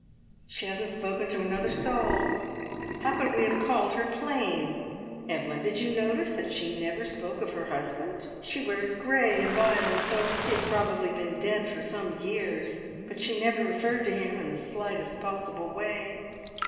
"She hasn't spoken to another soul. How could we have called her plain! Evelyn, did you notice that she never spoke of her husband? She wears grey and violet, so he has probably been dead for some years, but she never referred to him in the slightest possible way."